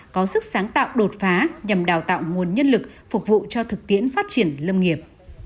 có sức sáng tạo đột phá nhằm đào tạo nguồn nhân lực phục vụ cho thực tiễn phát triển lâm nghiệp